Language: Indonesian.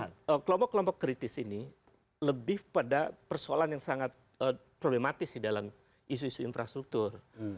karena kelompok kelompok kritis ini lebih pada persoalan yang sangat problematis di dalam isu isu infrastruktur